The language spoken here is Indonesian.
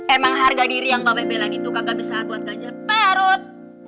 emang harga diri yang bape belain itu kagak bisa buat ganjar parut